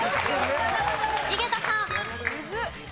井桁さん。